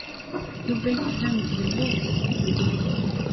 Yuba yettban-d yelluẓ.